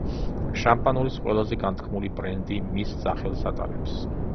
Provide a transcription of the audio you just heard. შამპანურის ყველაზე განთქმული ბრენდი მის სახელს ატარებს.